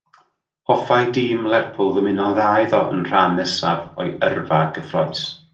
Hoffai dîm Lerpwl ddymuno'n dda iddo yn rhan nesaf o'i yrfa gyffrous.